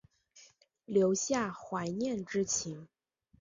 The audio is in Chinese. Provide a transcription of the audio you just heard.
留下怀念之情